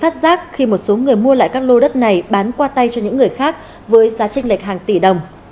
tại các lô đất này bán qua tay cho những người khác với giá trinh lệch hàng tỷ đồng